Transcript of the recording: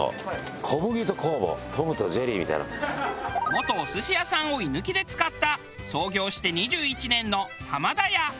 元お寿司屋さんを居抜きで使った創業して２１年の。